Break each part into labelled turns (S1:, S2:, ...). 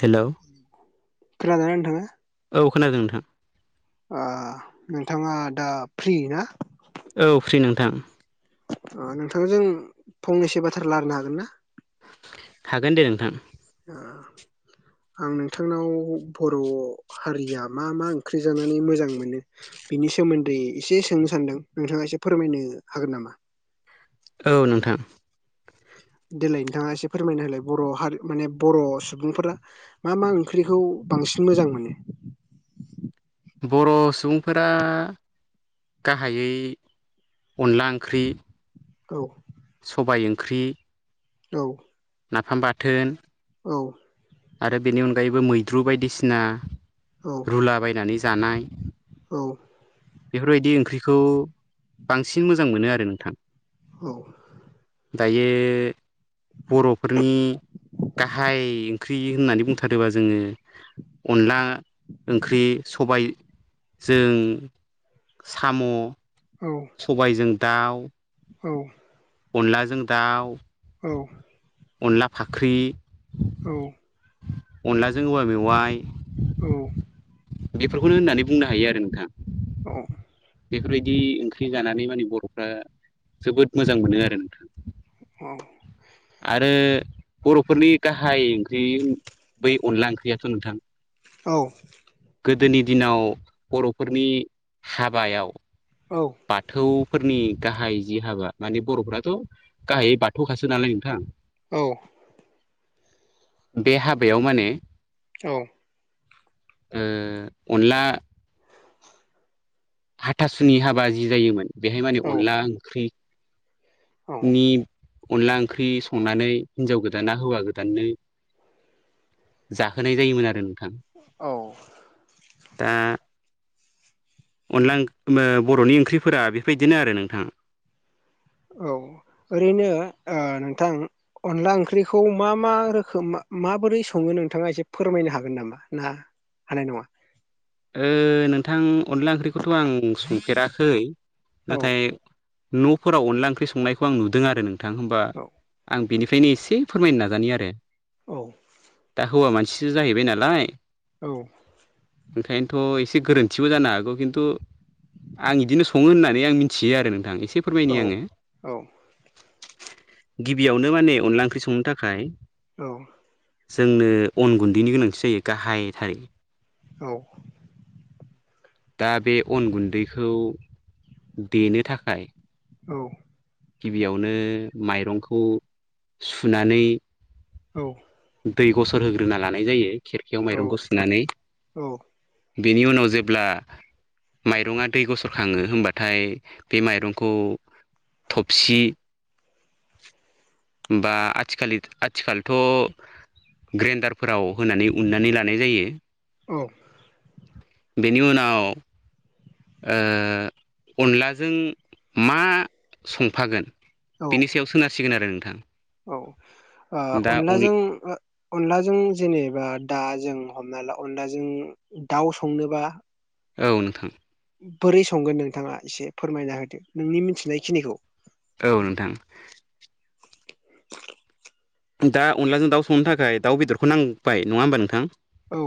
S1: Hello
S2: खोनादोना नोंथांआ
S1: औ खोनादों नोंथां
S2: ओ नोंथाङा दा फ्रि ना
S1: औ फ्रि नोंथां
S2: नोंथां जों फंनैसो बाथ्रा रायलायनो हागोन ना
S1: हागोन दे नोंथां
S2: [unintelligible] [inaudible] आं नोंथांनाव बर' हारिया मा मा ओंख्रि जानानै मोजां मोनो बिनि सोमोन्दै एसे सोंनो सान्दों नोंथाङा एसे फोरमायनो हागोन नामा
S1: औ नोंथां
S2: [unintelligible] [inaudible] देलाय नोंथाङा एसे फोरमायनो होलाय बर' हारि माने बर' सुबुंफोरा मा मा ओंख्रिखौ बां बांसिन मोजां मोनो
S1: बर' सुबुंफोरा गाहायै अनला ओंख्रि
S2: औ
S1: सबाय ओंख्रि
S2: औ
S1: नाफाम बाथोन
S2: औ
S1: आरो बेनि अनगायैबो मैद्रु बायदिसिना
S2: औ
S1: रुला बायनानै जानाय।
S2: औ
S1: बेफोरबायदि ओंख्रिखौ बांसिन मोजां मोनो आरो नोंथां।
S2: औ
S1: दायो बर'फोरनि गाहाय ओंख्रि होननानै बुंथारोबा जोङो अनला ओंख्रि सबाय जों साम' सबायजों दाउ
S2: औ
S1: अनलाजों दाउ
S2: औ
S1: अनला फाख्रि
S2: औ
S1: अनलाजों औवा मेवाइ
S2: औ
S1: बेफोरखौनो होननानै बुंनो हायो आरो नोंथाङा।
S2: औ
S1: बेफोरबायदि ओंख्रि जानानै माने बर'फ्रा जोबोद मोजां मोनो आरो नोंथाङा
S2: [inaudible]
S1: आरो बर'फोरनि गाहाय ओंख्रि बै अनला ओंख्रियाथ' नोंथां
S2: औ
S1: गोदोनि दिनाव बर'फोरनि हाबायाव
S2: औ
S1: बाथौ फोरनि गाहाय जि हाबा माने बर'फोराथ' गाहायै बाथौखासो नालाय नोंथां
S2: औ
S1: बे हाबायाव माने
S2: औ
S1: ओ अनला हाथासुनि हाबा जि जायोमोन बेहाय माने
S2: औ
S1: अनला ओंख्रि
S2: औ
S1: नि अनला ओंख्रि संनानै हिनजाव गोदाना हौवा गोदाननो जाहोनाय जायोमोन आरो नोंथां दा। अनला बर'नि ओंख्रिफोरा बेफोरबायदिनो आरो नोंथाङा
S2: औ ओरैनो नोंथां अनला ओंख्रिखौ मा मा रोखोम माबोरै सङो? नोंथाङा एसे फोरमायनो हागोन नामा ना हानाय नङा?
S1: नोंथां अनला ओंख्रिखौथ' आं संफेराखै
S2: औ
S1: नाथाय न'फोराव अनला ओंख्रि संनायखौ आं नुदों आरो नोंथां होमबा
S2: औ
S1: आं- बेनिफ्रायनो एसे फोरमायनो नाजानाय आरो
S2: औ
S1: दा हौवा मानसिसो जाहैबाय नालाय
S2: औ
S1: ओंखायनोथ एसे गोरोन्थिबो जानो हागौ खिन्थु आं बिदिनो संङो होननानै आं मिथियो आरो नोंथां एसे एसे
S2: औ
S1: फोरमायनि आंङो
S2: औ
S1: गिबियावनो माने अनला ओंख्रि संनो थाखाय
S2: औ
S1: जोंनो अन गुन्दैनि गोनांथि जायो गाहायथारै
S2: औ
S1: दा बे अन गुन्दैखौ देनो थाखाय
S2: औ
S1: गिबियावनो माइरंखौ सुनानै
S2: औ
S1: दै गसर होग्रोना लानाय जायो खेरखायाव माइरंखौ सुनानै
S2: औ
S1: बेनि उनाव जेब्ला माइरङा दै गसरखाङो होनबाथाय बे माइरंखौ थफसि
S2: [inaudible]
S1: बा आथिखालि आथिखालथ ग्रेन्दारफोराव होनानै उन्नानै लानाय जायो
S2: औ
S1: बेनि उनाव ओ अनलाजों मा संफागोन बिनि सायाव सोनारसिगोन आरो नोंथां
S2: औ ओ
S1: दा अनला
S2: अनलाजों ओ अनलाजों जेनेबा दा जों हमना ला अनला जों दाउ संनोबा
S1: औ नोंथां
S2: बोरै संगोन नोंथाङा एसे फोरमायना होदो नोंनि मिथिनायखिनिखौ
S1: औ नोंथां दा अनलाजों दाउ संनो थाखाय दाउ बेदरखौ नांबाय नङा होमबा नोंथां
S2: औ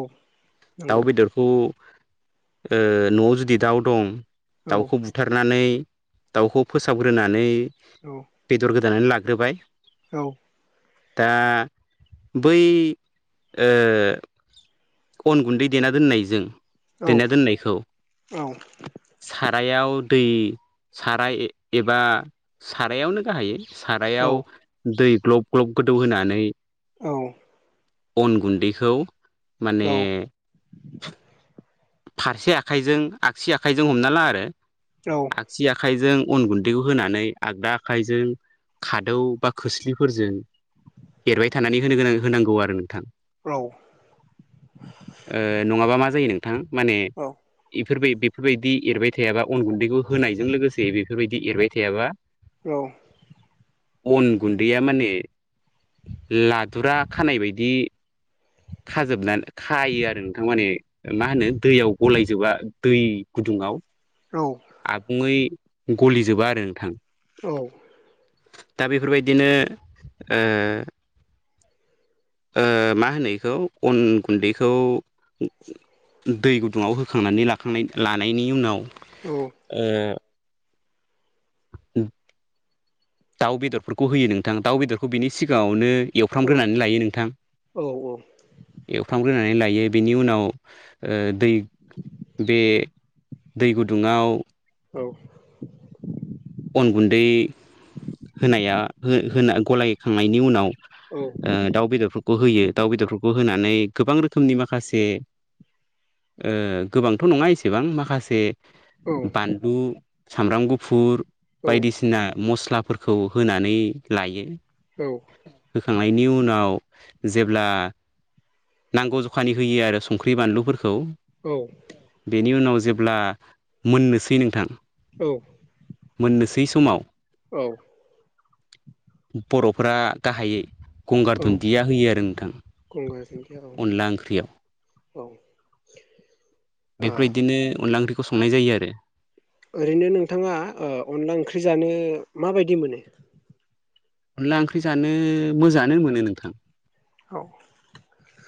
S2: नंगौ
S1: दाउ बेदरखौ ओ नआव जुदि दाउ दं
S2: गंगार
S1: दाउखौ बुथारनानै दाउखौ फोसाबग्रोनानै बेदर गोदानै ला ग्रोबाय
S2: औ
S1: दा बै ओ अन गुन्दै देना दोननायजों दैना दोननायखौ सारायाव दै साराय एबा सारायावनो गाहायै सारायाव दै ग्लब ग्लब गोदौ होनानै
S2: औ
S1: अन गुन्दैखौ माने फारसे आखाइजों आगसि आखाइजों हमना ला आरो आगसि आखाइजों अन गुन्दैखौ होनानै आगदा आखाइजों खादौ बा खोस्लिफोरजों एरबाय थानानै होनो गोनां होनांगौ आरो नोंथां
S2: औ
S1: ओ नङाबा मा जायो नोंथां माने फोरबे बेफोरबायदि एरबाय थायाबा अन गुन्दैखौ होनायजों लोगोसे बेफोरबायदि एरबाय थायाबा
S2: औ
S1: अन गुन्दैया माने लादुरा खानाय बायदि
S2: [inaudible]
S1: खाजोबना खायो आरो नोंथां माने मा होनो दैयाव गलायजोबा दै गुदुङाव आबुङै गलिजोबा आरो नोंथां
S2: औ
S1: दा बेफोरबायदिनो ओ ओ मा होनो इखौ अन गुन्दैखौ दै गुदुङाव होखांनानै लाखांनाय लानायनि उनाव
S2: औ
S1: ओ दाउ बेदरफोरखौ होयो नोंथां दाउ बेदरखौ बिनि सिगाङावनो एवफ्रामग्रोनानै लायो नोंथां एवफ्रामग्रोना नानै लायो बिनि उनाव ओ दै बे दै गुदुङाव
S2: औ
S1: अन गुन्दै होनाया हो होना गलायखांनायनि उनाव ओ दाउ बेदरफोरखौ होयो दाउ बेदरफोरखौ होनानै गोबां रोखोमनि माखासे गोबांथ' नङा एसेबां माखासे बानलु सामब्राम गुफुर बायदिसिना मस स्लाफोरखौ होनानै लायो
S2: औ
S1: होखांनायनि उनाव जेब्ला नांगौ जखानि होयो आरो संख्रि बानलुफोरखौ खौ बेनि उनाव जेब्ला मोननोसै नोंथां
S2: औ
S1: मोननोसै समाव बरफोरा गाहायै गंगार
S2: औ
S1: दुन्दिया होयो आरो नोंथां अनला ओंख्रियाव
S2: औ
S1: बेफोरबायदिनो अनला ओंख्रिखौ संनाय जायो आरो
S2: ओरैनो नोंथाङा अनला ओ ओंख्रि जानो माबायदि मोनो?
S1: अनला ओंख्रि जानो मोजाङानो मोनो नोंथां
S2: औ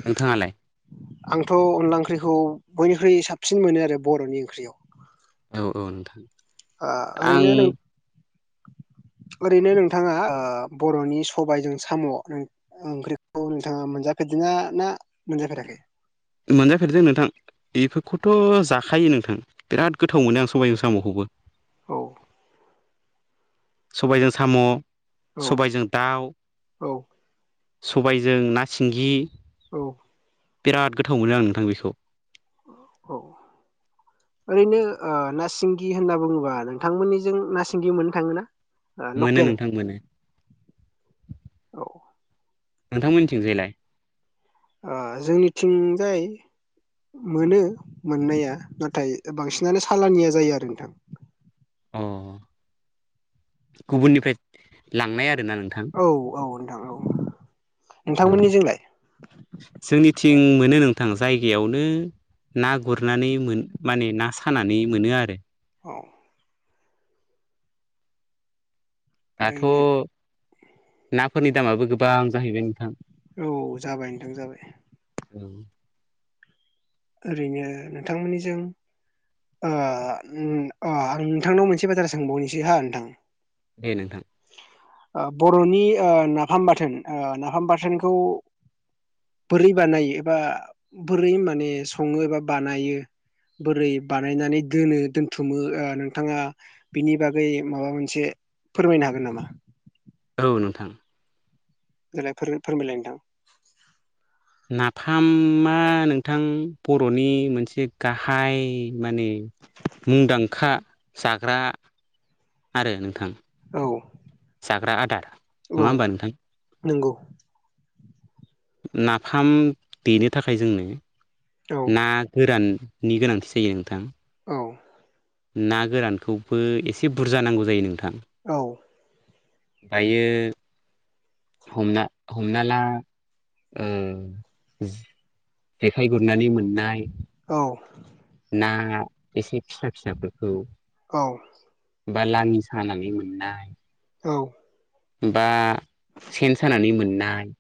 S1: नोंथाङालाय
S2: आंथ अनला ओंख्रिखौ बयनिख्रुइ साब सिन मोनो आरो बरनि ओंख्रियाव
S1: औ औ नोंथां
S2: आं ओरैनो नों
S1: आं
S2: ओरैनो नोंथाङा आ बरनि सबाइजों साम ओं ओंख्रिखौ नोंथाङा मोनजाफेर दोङा ना मोनजाफेराखै?
S1: मोनजाफेरदों नोंथां बेफोरखौथ जाखायो नोंथां बिराद गोथाव मोनो आं सबाइजों सामखौबो
S2: औ
S1: सबायजों साम
S2: औ
S1: सबायजों दाउ
S2: औ
S1: सबायजों ना सिंगि
S2: औ
S1: बिराद गोथाव मोनो आं नोंथां बेखौ
S2: औ ओरैनो ओ ना सिंगि होनना बुङोबा नोंथांमोननिजों ना सिंगि मोननो थाङोना? ओ
S1: मोनो
S2: लकेल
S1: नोंथां मोनो
S2: औ
S1: नोंथां मोननिथिंजायलाय
S2: ओ जोंनिथिंजाय मोनो मोननाया नाथाय बांसिनानो सालानिया जायो आरो नोंथां
S1: अ गुबुननिफ्राय लांनाय आर
S2: औ औ नोंथां औ
S1: औ
S2: नोंथांमोननिजोंलाय?
S1: जोंनि थिं मोनो नों थां जायगायावनो ना गुरनानै मोन माने ना सानानै मोनो आरो
S2: औ
S1: दाथ
S2: ओरैनो
S1: नाफोरनि दामाबो गोबां जाहैबाय नोंथां
S2: औ जाबाय नोंथां जाबाय
S1: औ
S2: ओरैनो नोंथांमोननिजों ओ उम ओ आं नोंथांनाव मोनसे बाजारा सोंबावनोसै हा नोंथां?
S1: दे नोंथां
S2: ओ बरनि ओ नाफाम बाथोन ओ नाफाम बाथोनखौ बोरै बानायो एबा बोरै माने सङो एबा बानायो बोरै बानायनानै दोनो दोनथुमो ओ नोंथाङा बिनि बागै माबा मोनसे फोरमायनो हागोन नामा?
S1: औ नोंथां
S2: देलाय फोर फोरमायलाय नोंथां
S1: नाफामा नोंथां बरनि मोनसे गाहाय माने मुंदांखा जाग्रा आरो नोंथां
S2: औ
S1: जाग्रा आदार नङा
S2: औ
S1: होमबा नोंथां
S2: नोंगौ
S1: नाफाम देनो थाखाय जोंनो
S2: औ
S1: ना गोरान नि गोनांथि जायो नोंथां
S2: औ
S1: ना गोरानखौबो एसे बुरजा नांगौ जायो नोंथां
S2: औ
S1: दायो हमना हमना ला ओ जेखाइ गुरनानै मोननाय
S2: औ
S1: ना एसे फिसा फिसाफोरखौ
S2: औ
S1: बा लाङि सानानै मोननाय
S2: औ
S1: बा सेन सानानै मोननाय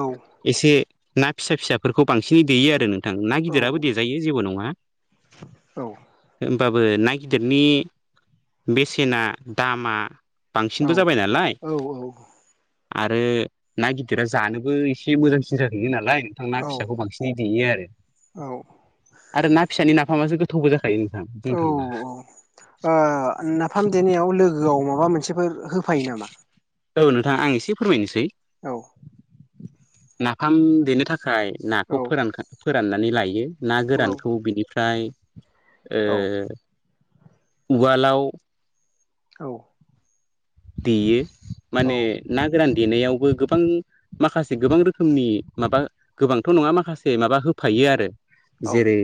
S2: औ
S1: एसे ना फिसा फिसाफोरखौ बांसिनै देयो आरो नों ना
S2: औ
S1: गिदिराबो देजायो जेबो नङा होमबा बो ना गिदिरनि बेसेना दामा
S2: औ
S1: बांसिनबो जाबाय नालाय आरो ना गिदिरा जानोबो एसे मोजांसिन जाहैयो नालाय नोंथां ना फिसाखौ बांसिनै देयो आरो
S2: औ
S1: आरो ना फिसानि ना फामासो गोथावबो जाखायो नोंथां बुंनो
S2: औ
S1: थांबा
S2: औ ओ नाफाम देनायाव लोगो गोआव माबा मोनसेफोर होफायो नामा
S1: औ नोंथां आं एसे फोरमायनोसै
S2: औ
S1: नाफाम देनो थाखाय
S2: औ
S1: नाखौ फोरानखा फोराननानै लायो ना
S2: औ
S1: गोरानखौ बिनिफ्राय फ्राय
S2: औ
S1: ओ उवालाव
S2: औ
S1: देयो
S2: औ
S1: माने ना गोरान देनायावबो गोबां माखासे गोबां रोखोमनि माबा गोबांथ' नङा माखासे माबा होफायो आरो
S2: औ
S1: जेरै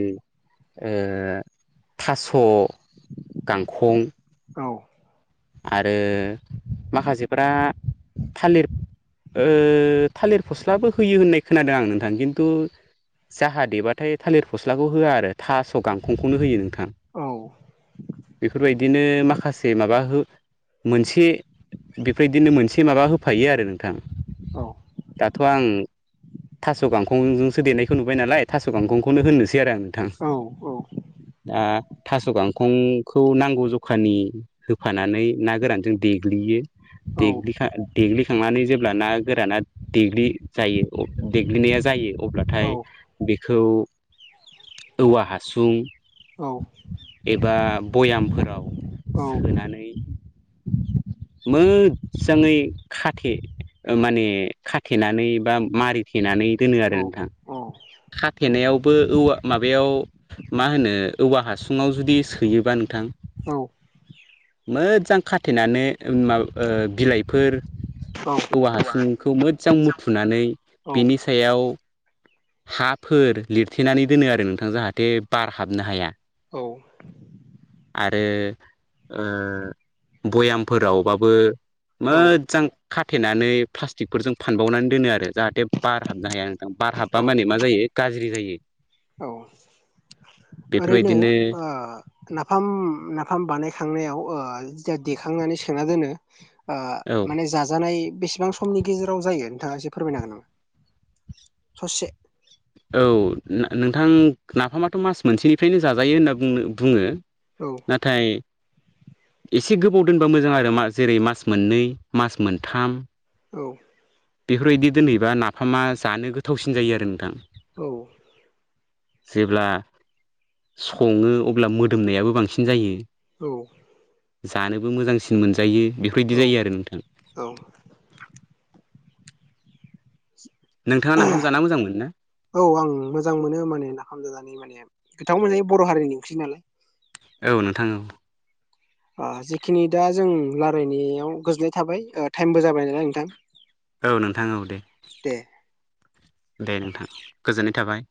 S1: ओ थास' गांखं
S2: औ
S1: आरो माखासेफ्रा थालिर ओ थालिर फस्लाबो होयो होननाय खोनादों आं नोंथां खिन्थु जाहा देबाथाय थालिर फस्लाखौ होआ आरो थास' गांखंखौनो होयो नोंथां
S2: औ
S1: बेफोरबायदिनो माखासे माबा हो मोनसे बेफोबायदिनो मोनसे माबा होफायो आरो नोंथां
S2: औ
S1: दाथ' आं थास' गांखं खंजोंसो देनायखौ नुबाय नालाय थास' गांखंखौनो होननोसै आरो आं नोंथां
S2: औ औ औ
S1: दा थास' गांखंखौ नांगौ जखानि हो फानानै ना गोरानजों देग्लियो देग्लिखा देग्लि खांनानै जेब्ला ना गोराना देग्लि जायो अ देग्लिनाया जायो अब्लाथाय बेखौ औवा हासुं
S2: औ
S1: एबा बयामफोराव सोनानै
S2: [inaudible]
S1: मोजाङै खाथे माने खाथेनानै बा मारिथेनानै दोनो आरो
S2: औ
S1: नोंथां
S2: औ
S1: खाथेनायावबो औवा माबायाव मा होनो औवा हासुङाव जुदि सोयोबा नोंथां
S2: औ
S1: मोजां खाथेनानै माबा बिलाइफोर
S2: औ
S1: औवा हासुंखौ मोजां मुथुनानै बेनि सायाव हाफोर लिरथेनानै दोनो आरो नोंथां जाहाथे बार हाबनो हाया
S2: औ
S1: आरो बयामफोरावबाबो मोजां खाथेनानै प्लास्टिकफोरजों फानबावनानै दोनो आरो जाहाथे बार हाबनो हाया नोंथां बा माने मा जायो गाज्रि जायो।
S2: औ ओरैनो
S1: बेफोरबायदिनो
S2: नाफाम नाफाम बानायखांनायाव दा देखांनानै सोना दोनो
S1: औ
S2: माने जा जानाय बेसेबां समनि गेजेराव जायो। थाखाय एसे फोरमायनो हागोन नामा ससे
S1: औ नोंथां नाफामाथ' मास मोनसेनिफ्रायनो जा जायो होनना बुङो।
S2: औ
S1: नथाय एसे गोबाव दोनबा मोजां आरो मा जेरै मास मोननै मास मोनथाम
S2: औ
S1: बेफोर बायदि दोनहैबा नाफामा जानो गोथावसिन जायो आरो नोंथां
S2: औ
S1: जेब्ला सङो अब्ला मोदोमनायाबो बांसिन जायो
S2: औ
S1: जानोबो मोजांसिन मोनजायो बेफोर बायदि
S2: औ
S1: जायो आरो नोंथां
S2: औ
S1: नोंथाङा नाफाम जाना मोजां मोनो ना
S2: औ आं मोजां मोनो माने नाफाम जानानै माने नोंथांमोन बर' हारिनि ओंखि् नालाय
S1: औ नोंथां औ
S2: ओ जेखिनि दा जों राय्लायनायाव गोजोननाय थाबाय टाइमबो जाबाय नालाय नोंथां
S1: औ नोंथां औ दे
S2: दे
S1: दे नोंथां गोजोननाय थाबाय।